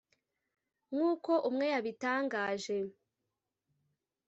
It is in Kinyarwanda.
nk’uko umwe yabitangaje